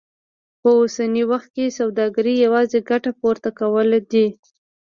په اوسني وخت کې سوداګري يوازې ګټه پورته کول دي.